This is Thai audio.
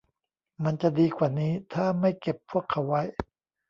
มันจะดีกว่านี้ถ้าไม่เก็บพวกเขาไว้